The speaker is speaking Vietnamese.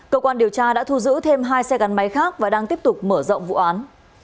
cơ quan điều tra đã thu giữ thêm hai xe gắn máy khác và đang tiếp tục mở rộng vụ án